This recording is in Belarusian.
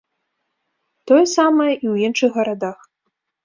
Тое самае і ў іншых гарадах.